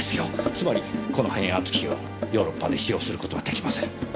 つまりこの変圧器をヨーロッパで使用する事はできません。